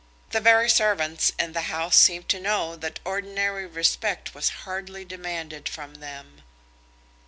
The very servants in the house seemed to know that ordinary respect was hardly demanded from them.